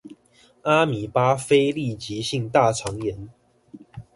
阿米巴性非痢疾性大腸炎